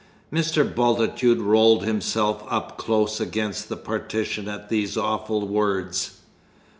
Mr. Bultitude rolled himself up close against the partition at these awful words.